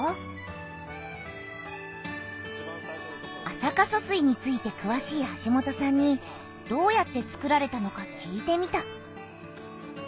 安積疏水についてくわしい橋本さんにどうやってつくられたのか聞いてみた。